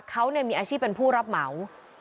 เขามีอาชีพเป็นผู้รับเหมา